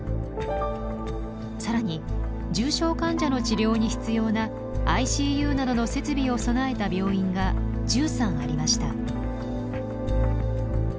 更に重症患者の治療に必要なＩＣＵなどの設備を備えた病院が１３ありました。